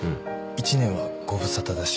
１年はご無沙汰だし。